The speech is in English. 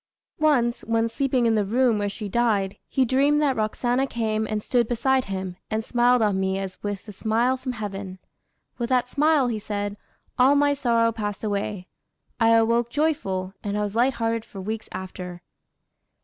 Once, when sleeping in the room where she died, he dreamed that Roxana came and stood beside him, and "smiled on me as with a smile from heaven. With that smile," he said, "all my sorrow passed away. I awoke joyful, and I was lighthearted for weeks after."